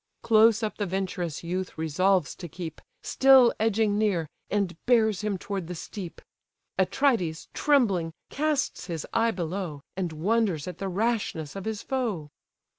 Close up the venturous youth resolves to keep, Still edging near, and bears him toward the steep. Atrides, trembling, casts his eye below, And wonders at the rashness of his foe.